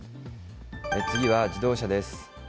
次は自動車です。